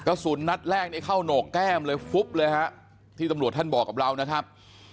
กระสุนนัดแรกนี่เข้าโหนกแก้มเลยฟุ๊บเลยฮะที่ตำรวจท่านบอกกับเรานะครับ